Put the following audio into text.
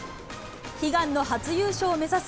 悲願の初優勝を目指す